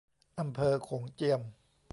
อำเภอโขงเจียม